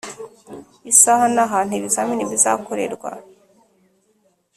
isaha na hantu ibizamini bizakorerwa.